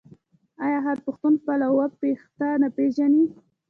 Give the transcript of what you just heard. آیا هر پښتون خپل اوه پيښته نه پیژني؟